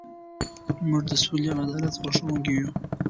موږ د سولې او عدالت غوښتونکي یو.